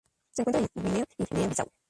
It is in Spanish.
Se encuentra en Guinea y Guinea-Bissau.